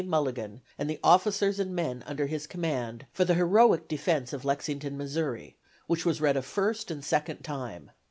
Mulligan and the officers and men under his command for the heroic defense of Lexington, Missouri, which was read a first and second time.